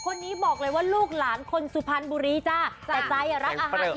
คนนี้บอกเลยว่าลูกหลานคนสุพรรณบุรีจ้าแต่ใจอ่ะรักอาหาร